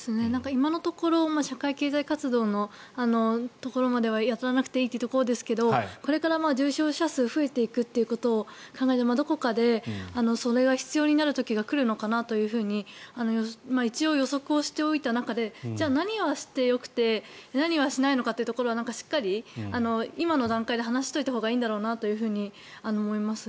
今のところ社会経済活動のところまではやらなくていいということですがこれから重症者数が増えていくということを考えたらどこかでそれが必要になる時が来るのかなというふうに一応、予測をしておいた中でじゃあ何はしてよくて何はしないのかというところはしっかり今の段階で話しておいたほうがいいんだろうなと思います。